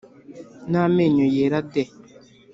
n’amenyo yera de